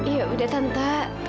ya udah tante